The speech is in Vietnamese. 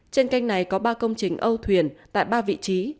trên kênh này có ba công trình âu thuyền tại ba vị trí